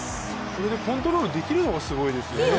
これでコントロールできるのがすごいですよね。